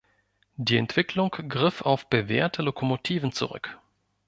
Die Entwicklung griff auf bewährte Lokomotiven zurück.